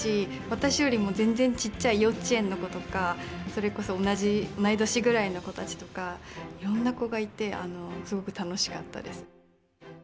私よりも全然ちっちゃい幼稚園の子とかそれこそ同じ同い年ぐらいの子たちとかいろんな子がいてすごく楽しかったです。